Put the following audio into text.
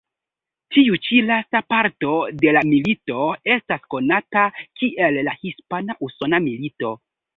Tiu ĉi lasta parto de la milito estas konata kiel la Hispana-usona milito.